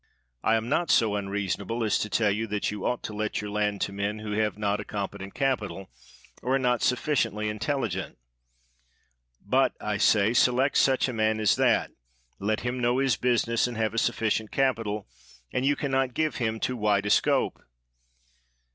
I am not so unreasonable as to tell you that you ought to let your land to men who have not a competent capital, or are not suflficiently intelligent; but I say, select such a man as that, let him know his business and have a suf ficient capital, and j'ou can not give him too wide a scope.